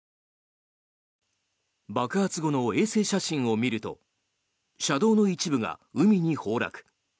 爆発後の衛星写真を見ると車道の一部が海に崩落。